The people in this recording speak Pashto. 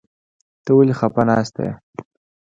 ته ولې خپه ناسته يې ؟